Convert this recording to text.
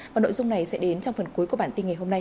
và nội dung này sẽ đến trong phần cuối của bản tin ngày hôm nay